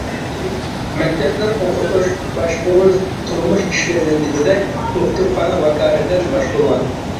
مەكتەپنىڭ ئوقۇتۇش، باشقۇرۇش، تۇرمۇش ئىشلىرىنى دېگۈدەك دوختۇرخانا ۋاكالىتەن باشقۇرغان.